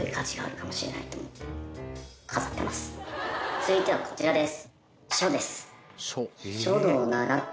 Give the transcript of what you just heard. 続いてはこちらです。